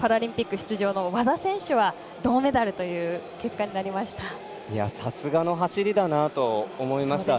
出場の和田選手は銅メダルという結果になりましたが。